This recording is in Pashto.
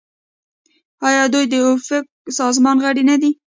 آیا دوی د اوپک سازمان غړي نه دي؟